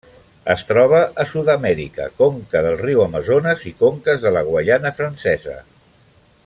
Es troba a Sud-amèrica: conca del riu Amazones i conques de la Guaiana Francesa.